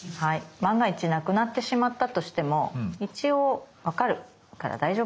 万が一無くなってしまったとしても一応分かるから大丈夫かなと思ってます。